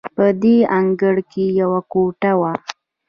په دې انګړ کې یوه کوټه وه.